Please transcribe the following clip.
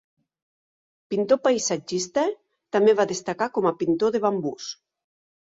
Pintor paisatgista, també va destacar com a pintor de bambús.